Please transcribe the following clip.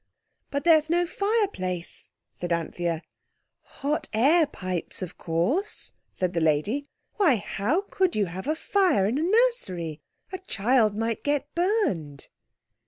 "But there's no fireplace," said Anthea. "Hot air pipes, of course," said the lady. "Why, how could you have a fire in a nursery? A child might get burned."